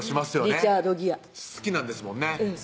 リチャード・ギア好きなんですもんね